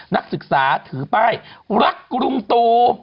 นักศึกษาถือป้ายรักกรุงตู